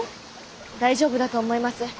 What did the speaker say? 大丈夫だと思います。